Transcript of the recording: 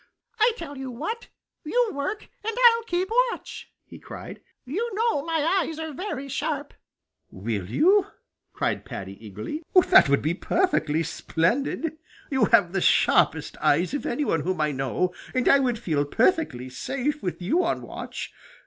"I tell you what, you work and I'll keep watch!" he cried. "You know my eyes are very sharp." "Will you?" cried Paddy eagerly. "That would be perfectly splendid. You have the sharpest eyes of any one whom I know, and I would feel perfectly safe with you on watch.